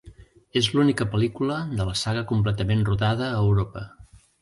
És l'única pel·lícula de la saga completament rodada a Europa.